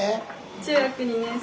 中学２年生。